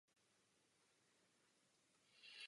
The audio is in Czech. Většina skladeb zůstala v rukopise.